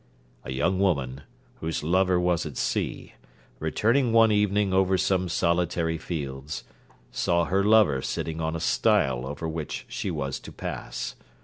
A young woman, whose lover was at sea, returning one evening over some solitary fields, saw her lover sitting on a stile over which she was to pass.